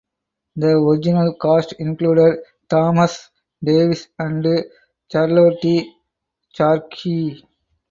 The original cast included Thomas Davies and Charlotte Charke.